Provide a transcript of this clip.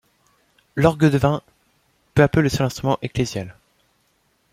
L'orgue devint peu à peu le seul instrument ecclésial.